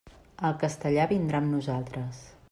El castellà vindrà amb nosaltres.